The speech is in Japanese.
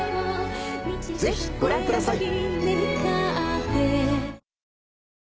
ぜひご覧ください。